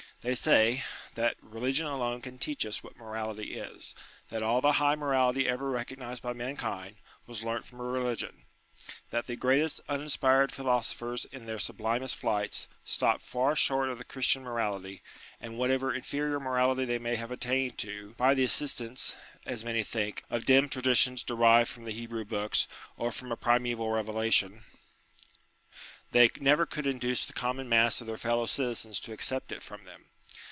They say, that religion alone can teach us what morality is ; that all the high morality ever recognized hy mankind, was learnt from religion ; that the greatest uninspired philosophers in their sublimest flights, stopt far short of the Christian morality, and whatever inferior morality they may have attained to (by the assistance, as many think, of dim traditions derived from the Hebrew books, or from a primaeval revelation) they never could induce the common mass of their fellow citizens to accept it from them.